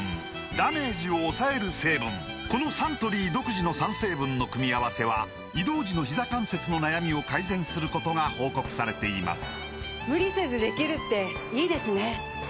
このサントリー独自の３成分の組み合わせは移動時のひざ関節の悩みを改善することが報告されています